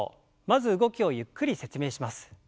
まず動きをゆっくり説明します。